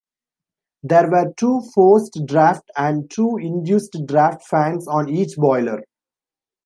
There were two forced draft and two induced draft fans on each boiler.